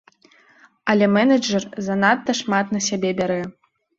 Але менеджэр занадта шмат на сябе бярэ.